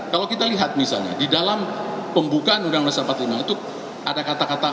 kalau kita lihat misalnya di dalam pembukaan seribu sembilan ratus empat puluh lima itu ada kata kata